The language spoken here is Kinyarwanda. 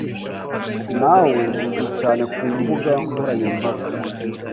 nawe uzwi cyane ku mbuga nkoranyambaga